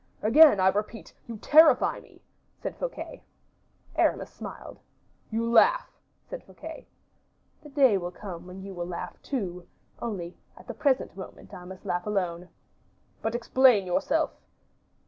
"Again, I repeat, you terrify me," said Fouquet. Aramis smiled. "You laugh," said Fouquet. "The day will come when you will laugh too; only at the present moment I must laugh alone." "But explain yourself."